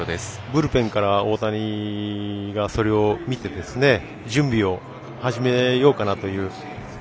ブルペンから大谷がそれを見ていて準備を始めようかなと。